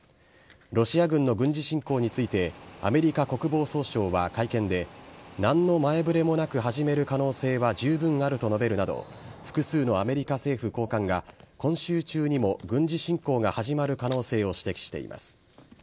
ロシア軍の軍事侵攻についてアメリカ国防総省は会見で、なんの前触れもなく始める可能性は十分あると述べるなど、複数のアメリカ政府高官が、今週中にも軍事侵攻が始まる可能性を指摘しています。